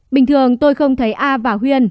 bình thường tôi không thấy a và huyên